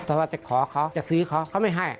ถ้าเวลาจะขอเขาจะซื้อเขาก็ไม่ให้